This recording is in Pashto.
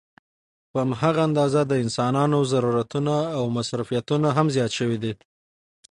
په هماغه اندازه د انسانانو ضرورتونه او مصروفيتونه هم زيات شوي دي